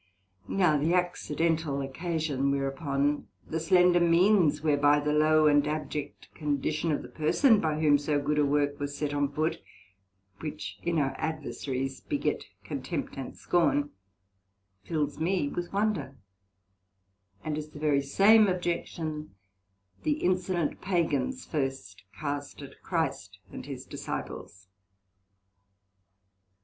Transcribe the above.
Now the accidental occasion whereupon, the slender means whereby the low and abject condition of the Person by whom so good a work was set on foot, which in our Adversaries beget contempt and scorn, fills me with wonder, and is the very same Objection the insolent Pagans first cast at Christ and his Disciples.